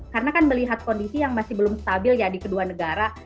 karena kan melihat kondisi yang masih belum stabil di kedua negara